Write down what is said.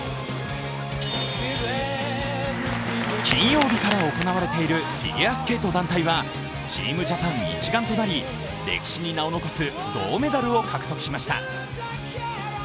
金曜日から行われているフィギュアスケート団体は、チームジャパン一丸となり歴史に名を残す銅メダルを獲得しました。